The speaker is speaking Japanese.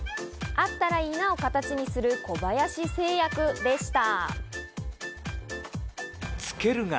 「あったらいいなをカタチにする」、小林製薬でした。